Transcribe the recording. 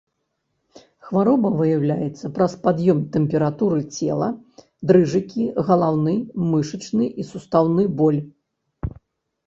Хвароба выяўляецца праз пад'ём тэмпературы цела, дрыжыкі, галаўны, мышачны і сустаўны боль.